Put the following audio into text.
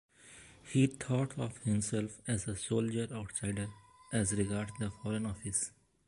He thought of himself as a 'soldier-outsider', as regards the Foreign Office.